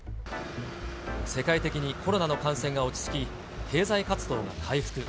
世界的にコロナの感染が落ち着き、経済活動が回復。